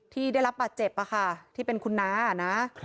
ที่ได้รับบาดเจ็บที่เป็นคุณน้านะ